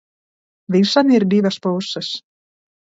Visam ir divas puses.